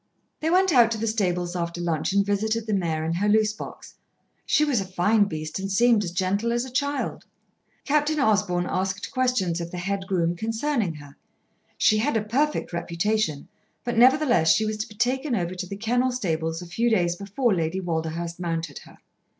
They went out to the stables after lunch and visited the mare in her loose box. She was a fine beast, and seemed as gentle as a child. Captain Osborn asked questions of the head groom concerning her. She had a perfect reputation, but nevertheless she was to be taken over to the Kennel stables a few days before Lady Walderhurst mounted her.